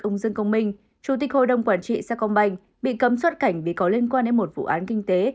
ông dương công minh chủ tịch hội đồng quản trị sa công banh bị cấm xuất cảnh vì có liên quan đến một vụ án kinh tế